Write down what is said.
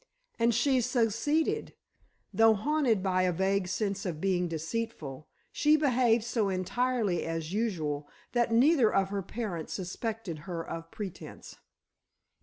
And she succeeded. Though haunted by a vague sense of being deceitful, she behaved so entirely as usual, that neither of her parents suspected her of pretense.